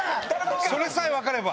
それさえ分かれば。